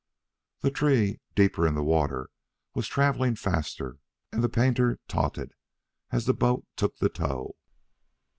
The tree, deeper in the water, was travelling faster, and the painter tautened as the boat took the tow.